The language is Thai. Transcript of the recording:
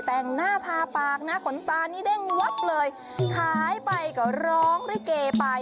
แต่งหน้าทาปากนะขนตานี่เด้งวับเลยขายไปก็ร้องริเกไป